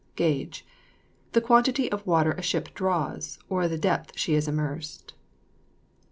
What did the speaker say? GAGE. The quantity of water a ship draws, or the depth she is immersed.